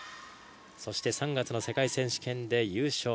そして３月の世界選手権で優勝。